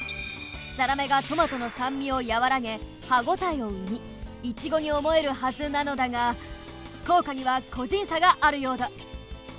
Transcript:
ザラメがトマトの酸味をやわらげ歯応えを生みイチゴに思えるはずなのだがこうかにはこじんさがあるようだ